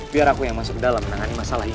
biar aku yang masuk dalam menangani masalah ini